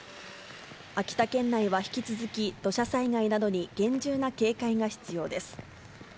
秋田県内は引き続き、土砂災害などに厳重な警戒が必要です。